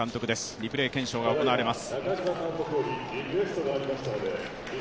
リプレー検証が行われます。